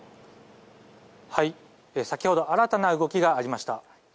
先ほど新たな動きがありました。